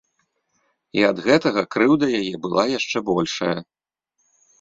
І ад гэтага крыўда яе была яшчэ большая.